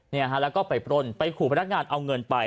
เนี่ยฮะแล้วก็ไปปล้นไปขู่พนักงานเอาเงินไป